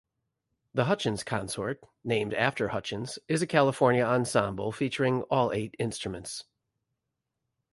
The Hutchins Consort, named after Hutchins, is a California ensemble featuring all eight instruments.